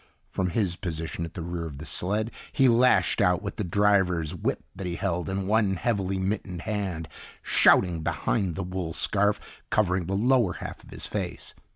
From his position at the rear of the sled, he lashed out with the driver's whip that he held in one heavily mittened hand, shouting behind the wool scarf covering the lower half of his face.